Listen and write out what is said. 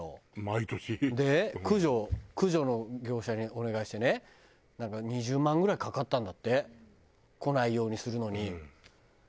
毎年？で駆除駆除の業者にお願いしてね２０万ぐらいかかったんだって来ないようにするのに。